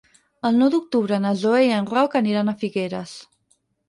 El nou d'octubre na Zoè i en Roc aniran a Figueres.